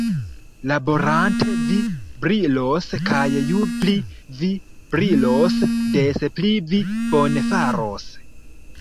Laborante vi brilos; kaj ju pli vi brilos, des pli vi bonfaros.